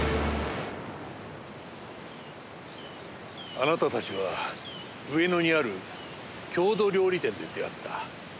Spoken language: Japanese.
あなたたちは上野にある郷土料理店で出会った。